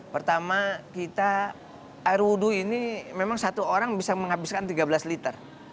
pertama kita air wudhu ini memang satu orang bisa menghabiskan tiga belas liter